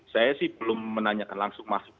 saya sih belum menanyakan langsung masuk